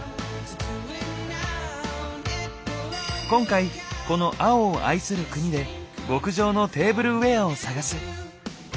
今回この青を愛する国で極上のテーブルウエアを探す。